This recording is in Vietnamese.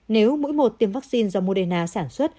nếu mũi một tiêm vaccine do moderna sản xuất